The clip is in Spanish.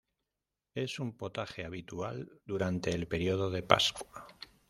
Es un potaje habitual durante el período de pascua.